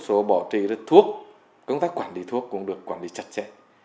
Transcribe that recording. số bỏ trị thuốc công tác quản lý thuốc cũng được quản lý chặt chẽ